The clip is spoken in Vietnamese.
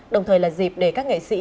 đồng thời là dịp để các nghệ sĩ